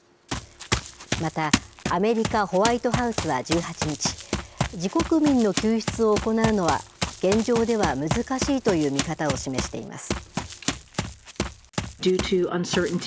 また、アメリカホワイトハウスは１８日自国民の救出を行うのは現状では難しいという見方を示しています。